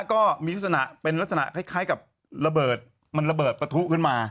ก็มีลักษณะเป็นลักษณะคล้ายกับระเบิดมันระเบิดประทุขึ้นมา